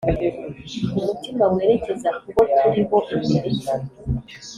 Umutima werekeza ku bo turi bo imbere.